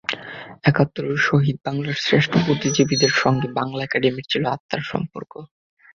একাত্তরের শহীদ বাংলার শ্রেষ্ঠ বুদ্ধিজীবীদের সঙ্গে বাংলা একাডেমির ছিল আত্মার সম্পর্ক।